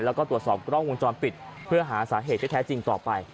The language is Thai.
แล้วก็ตรวจสอบกล้องวงจรปิดเพื่อหาสาเหตุที่แท้จริงต่อไป